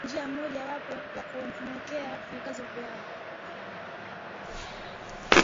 kama njia moja wapo ya kumuwekea vikwazo vya